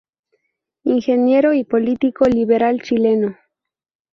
Ingeniero y político liberal chileno.